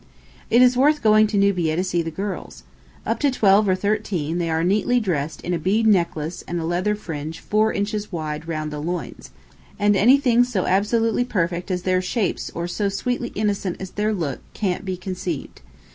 It is worth going to Nubia to see the girls. Up to twelve or thirteen they are neatly dressed in a bead necklace and a leather fringe 4 inches wide round the loins, and anything so absolutely perfect as their shapes or so sweetly innocent as their look can't be conceived.